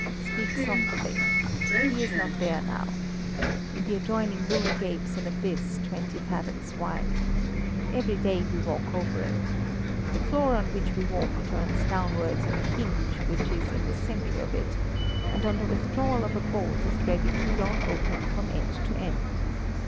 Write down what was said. "Speak softly! He is not there now. In the adjoining room gapes an abyss twenty fathoms wide. Every day we walk over it. The floor on which we walk turns downwards on a hinge, which is in the centre of it, and on the withdrawal of a bolt is ready to yawn open from end to end.